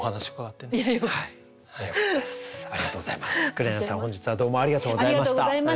紅さん本日はどうもありがとうございました。